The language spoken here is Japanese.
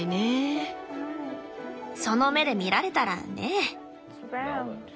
その目で見られたらねぇ。